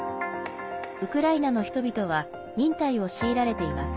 ウクライナの人々は忍耐を強いられています。